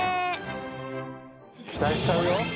「期待しちゃうよ」